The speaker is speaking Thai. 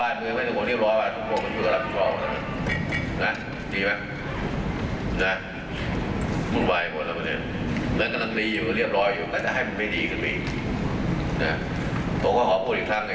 นี่เป็นการเลือกตั้งทุกพันการไป